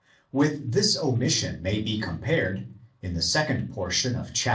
With this omission may be compared, in the second portion of xiii.